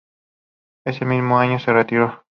Ese mismo año se retiró.